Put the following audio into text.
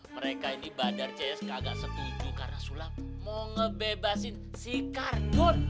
mereka ini badar cs nggak setuju karena sulam mau ngebebasin si kardun